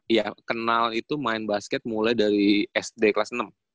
ya kenal itu main basket mulai dari sd kelas enam